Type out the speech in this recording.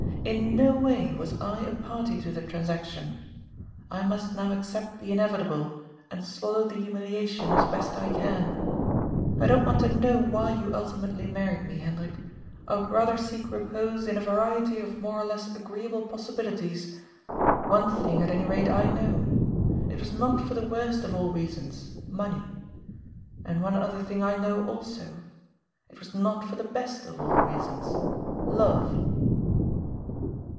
In no way was I a party to the trans action. I must now accept the inevitable and swallow the humiliation as best I can. I don't want to know why you ultimately married me, Hendrik. I would rather seek re pose in a variety of more or less agreeable possibilities. One thing, at any rate, I know. It was not for the worst of all reasons, money. And one other thing I know also. It was not for the best of all reasons — love."